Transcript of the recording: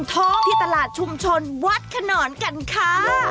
ท้องที่ตลาดชุมชนวัดขนอนกันค่ะ